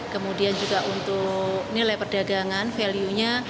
kemudian juga untuk nilai perdagangan value nya